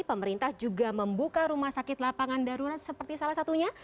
pemerintah juga membuka rumah sakit lapangan darurat seperti salah satunya